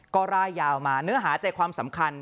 ก็ร่ายยาวมาเนื้อหาใจความสำคัญ